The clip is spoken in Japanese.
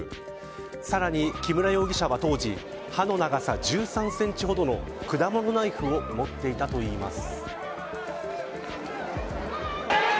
さらに、木村容疑者は当時刃の長さ１３センチほどの果物ナイフを持っていたといいます。